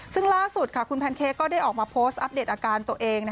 ซึ่งล่าสุดคุณแพนเค้กก็ได้ออกมาโพสต์อัปเดตอาการตัวเอง